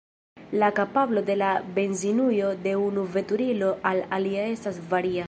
La kapablo de la benzinujo de unu veturilo al alia estas varia.